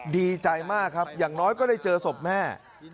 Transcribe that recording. ดีใจมากครับอย่างน้อยก็ได้เจอศพแม่